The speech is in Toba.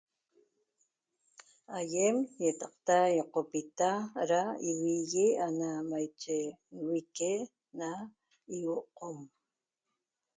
AYEM YETAQTA ÑOQPITA DA IVIYEE NA MACHE L´VIQE NA IVOO´ QOM